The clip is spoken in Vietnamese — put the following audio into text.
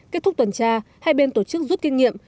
kết thúc tuần tra hai bên tổ chức rút kinh nghiệm